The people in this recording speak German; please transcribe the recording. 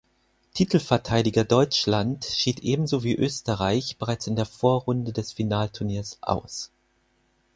Titelverteidiger Deutschland schied ebenso wie Österreich bereits in der Vorrunde des Finalturniers aus.